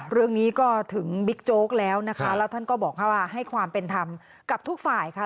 เรื่องนี้ก็ถึงบิ๊กโจ๊กแล้วนะคะแล้วท่านก็บอกว่าให้ความเป็นธรรมกับทุกฝ่ายค่ะ